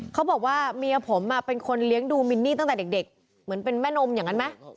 เขาบอกว่าเมียผมเป็นคนเลี้ยงดูมินนี่ตั้งแต่เด็กเหมือนเป็นแม่นมอย่างนั้นไหม